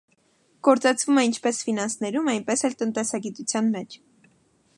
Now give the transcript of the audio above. Գործածվում է ինչպես ֆինանսներում այնպես էլ տնտեսագիտության մեջ։